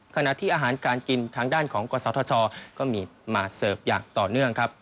ขณะที่อาหารการกินทางด้านของกศธชก็มีมาเสิร์ฟอย่างต่อเนื่องครับ